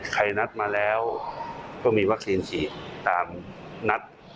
นัดมาแล้วก็มีวัคซีนฉีดตามนัด